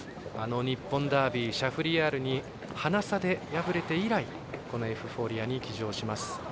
日本ダービーシャフリヤールにハナ差で敗れて以来エフフォーリアに騎乗します。